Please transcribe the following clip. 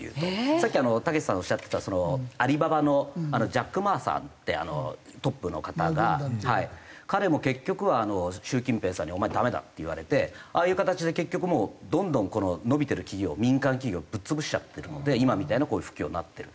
さっきたけしさんがおっしゃってたアリババのジャック・マーさんってトップの方が彼も結局は習近平さんに「お前ダメだ」って言われてああいう形で結局もうどんどん伸びてる企業民間企業をぶっ潰しちゃってるので今みたいなこういう不況になってる。